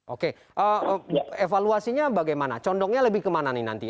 oke evaluasinya bagaimana condongnya lebih kemana nih nanti